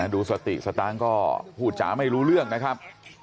ดูสติสตางค์ก็พูดจ๋าไม่รู้เรื่องนะครับ